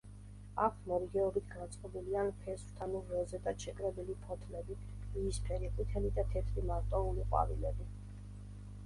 აქვთ მორიგეობით განწყობილი ან ფესვთანურ როზეტად შეკრებილი ფოთლები, იისფერი, ყვითელი და თეთრი მარტოული ყვავილები.